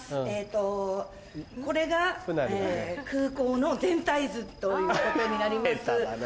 えっとこれが空港の全体図ということになります。